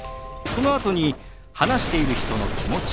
そのあとに話している人の気持ち